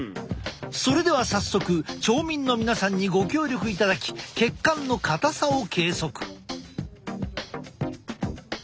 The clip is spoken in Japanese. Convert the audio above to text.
それでは早速町民の皆さんにご協力いただき血管の硬さを計測。